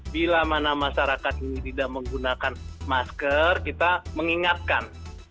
bila mana masyarakat ini tidak menggunakan masker kita mengingatkan